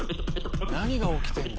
何が起きてんだ？